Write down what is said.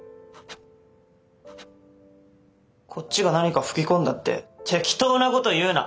こっちが何か吹き込んだって適当なこと言うな！